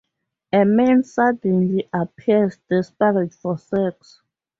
A man suddenly appears, desperate for sex.